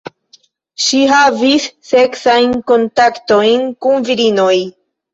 Ŝi havis seksajn kontaktojn kun virinoj.